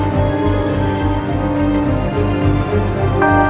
makasih ya mbak